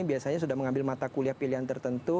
biasanya sudah mengambil mata kuliah pilihan tertentu